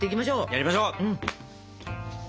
やりましょう。